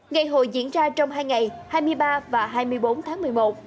ngày hội diễn ra trong hai ngày hai mươi ba và hai mươi bốn tháng một mươi một